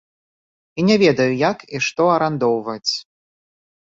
І не ведаю як і што арандоўваць.